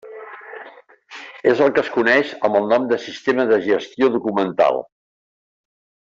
És el que es coneix amb el nom de sistema de gestió documental.